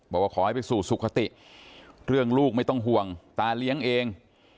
บอกว่าขอให้ไปสู่สุขติเรื่องลูกไม่ต้องห่วงตาเลี้ยงเอง